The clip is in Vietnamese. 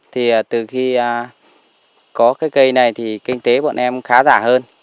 thì từ khi có cái cây này thì kinh tế bọn em khá giả hơn